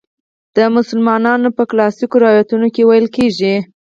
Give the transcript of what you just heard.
د مسلمانانو په کلاسیکو روایتونو کې ویل کیږي.